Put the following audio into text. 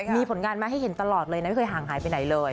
มีผลงานมาให้เห็นตลอดเลยนะไม่เคยห่างหายไปไหนเลย